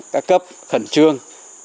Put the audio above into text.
các cấp khẩn trương